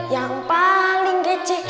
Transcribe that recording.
yang paling kece